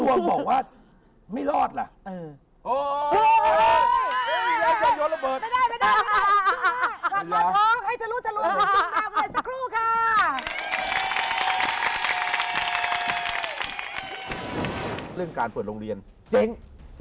เรื่องการเปิดโรงเรียนเจ๊ง